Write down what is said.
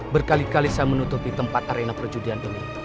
berkali kali saya menutupi tempat arena perjudian ini